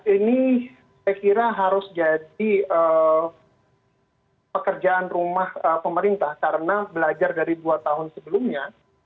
ini saya kira harus jadi pekerjaan rumah pemerintah karena belajar dari dua tahun sebelumnya